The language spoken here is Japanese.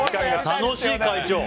楽しい、会長。